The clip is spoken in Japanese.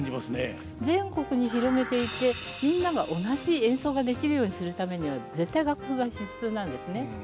全国に広めていてみんなが同じ演奏ができるようにするためには絶対楽譜が必要なんですね。